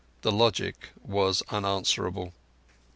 The logic was unanswerable.